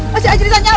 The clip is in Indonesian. masih aja disanyi